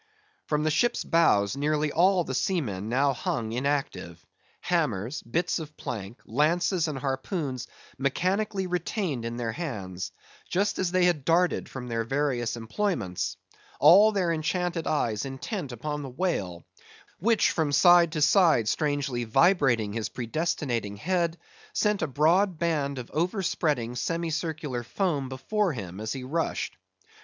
From the ship's bows, nearly all the seamen now hung inactive; hammers, bits of plank, lances, and harpoons, mechanically retained in their hands, just as they had darted from their various employments; all their enchanted eyes intent upon the whale, which from side to side strangely vibrating his predestinating head, sent a broad band of overspreading semicircular foam before him as he rushed.